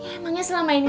emangnya selama ini